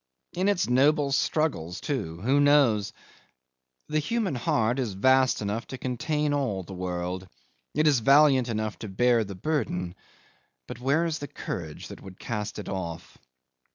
In its noble struggles too who knows? The human heart is vast enough to contain all the world. It is valiant enough to bear the burden, but where is the courage that would cast it off?